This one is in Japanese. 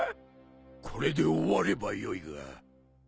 これで終わればよいが。